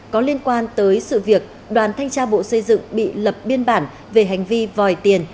có liên quan tới sự việc đoàn thanh tra bộ xây dựng bị lập biên bản về hành vi vòi tiền